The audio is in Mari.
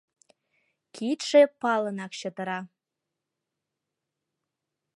Кидше палынак чытыра.